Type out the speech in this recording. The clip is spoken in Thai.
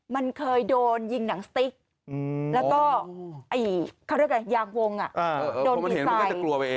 มันเคยโดนยิงหนังสติ๊กแล้วก็คำเรียกว่ายางวงอะโดนผิดใส่